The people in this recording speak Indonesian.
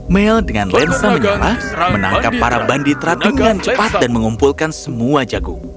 mel dengan lensa menyala menangkap para bandit rating dengan cepat dan mengumpulkan semua jagung